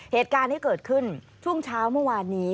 เหตุการณ์ที่เกิดขึ้นช่วงเช้าเมื่อวานนี้